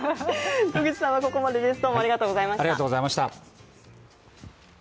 野口さんはここまでです。